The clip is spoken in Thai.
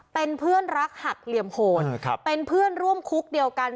เป็นเพื่อนรักหักเหลี่ยมโหดเป็นเพื่อนร่วมคุกเดียวกัน